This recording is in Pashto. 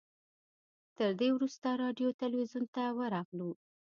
تر دې وروسته راډیو تلویزیون ته ورغلو.